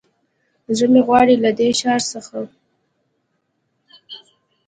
زړه مې غواړي له دې ښار څخه